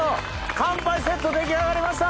乾杯セット出来上がりました！